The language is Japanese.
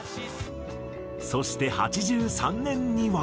そして１９８３年には。